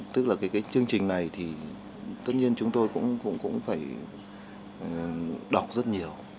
tức là cái chương trình này thì tất nhiên chúng tôi cũng phải đọc rất nhiều